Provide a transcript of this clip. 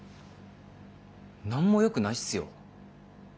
何もよくないすよ。